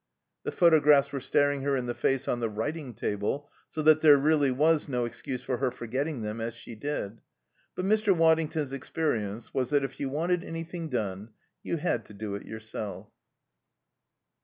The photographs were staring her in the face on the writing table, so that there was really no excuse for her forgetting them, as she did. But Mr. Waddington's experience was that if you wanted anything done you had to do it yourself.